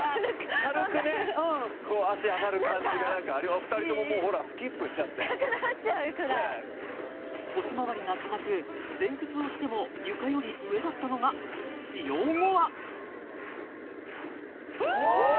軽くね脚上がる感じがなんか２人ともほらスキップしちゃってしたくなっちゃうくらい腰周りが硬く前屈をしても床より上だったのが使用後はあ！